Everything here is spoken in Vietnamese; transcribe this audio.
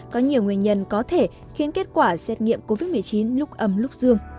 có nhiều nguyên nhân có thể khiến kết quả xét nghiệm covid một mươi chín lúc ấm lúc dương